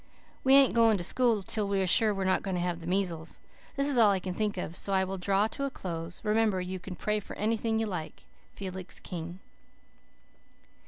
We ain't going to school till we're sure we are not going to have the measles. This is all I can think of, so I will draw to a close. Remember, you can pray for anything you like. FELIX KING."